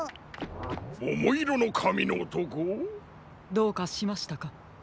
どうかしましたか？